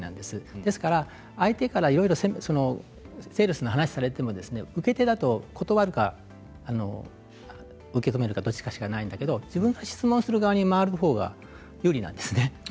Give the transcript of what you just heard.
ですから相手からいろいろとセールスの話をされても受け手だと断るか受け止めるかどちらかしかないんですが自分が質問する側に回るほうが有利なんですね。